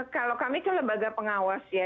kalau kami kan lembaga pengawas ya